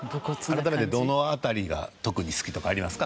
改めてどの辺りが特に好きとかありますか？